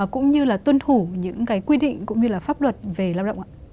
cũng như là tuân thủ những cái quy định cũng như là pháp luật về lao động ạ